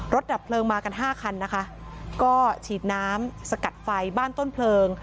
ดับเพลิงมากันห้าคันนะคะก็ฉีดน้ำสกัดไฟบ้านต้นเพลิง